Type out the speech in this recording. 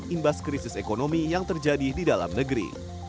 imbas krisis ekonomi yang terjadi di dalam negeri